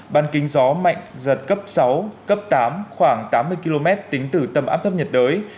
ban kính gió mạnh giật cấp sáu cấp tám khoảng tám mươi km tính từ tâm áp thấp nhiệt đới